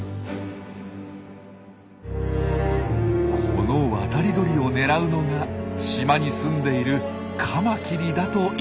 この渡り鳥を狙うのが島にすんでいるカマキリだといいます。